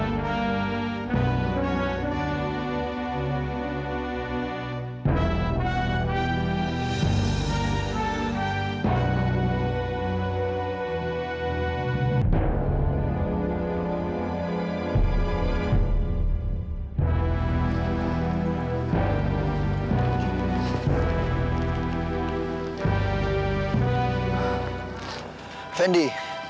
aku mau kemana